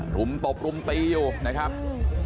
รุมตบรุมตีอยู่นะครับ